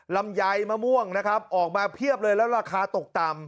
ลำไยมะม่วงนะครับออกมาเพียบเลยแล้วราคาตกต่ำ